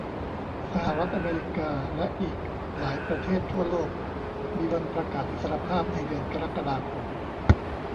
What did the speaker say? สหรัฐอเมริกาและอีกหลายประเทศทั่วโลกมีวันประกาศอิสรภาพในเดือนกรกฎาคม